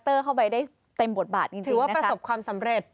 ถือว่าประสบความสำเร็จ